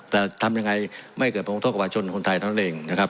แต่ทำยังไงไม่เกิดผลกระทบกับประชาชนคนไทยเท่านั้นเองนะครับ